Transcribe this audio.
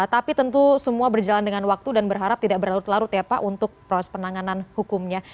tapi tentu semua berjalan dengan waktu dan berharap tidak berlarut larut ya pak untuk proses penanganan hukumnya